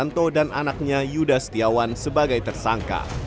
anto dan anaknya yuda setiawan sebagai tersangka